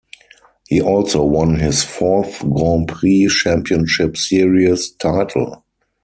He also won his fourth Grand Prix Championship Series title.